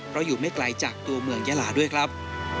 เพราะอยู่ไม่ไกลจากตัวเมืองยาลาด้วยครับ